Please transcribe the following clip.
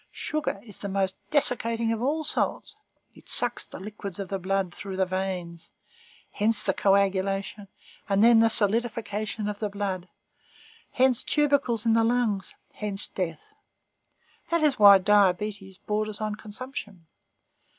Sugar is the most desiccating of all salts; it sucks the liquids of the blood through the veins; hence the coagulation, and then the solidification of the blood; hence tubercles in the lungs, hence death. That is why diabetes borders on consumption.